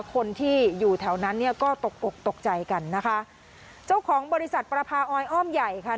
คนที่อยู่แถวนั้นเนี่ยก็ตกอกตกใจกันนะคะเจ้าของบริษัทประพาออยอ้อมใหญ่ค่ะ